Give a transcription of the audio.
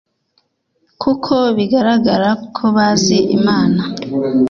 kuko bigaragara ko bazi Imana